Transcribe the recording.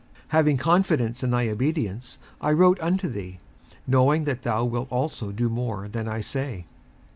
57:001:021 Having confidence in thy obedience I wrote unto thee, knowing that thou wilt also do more than I say.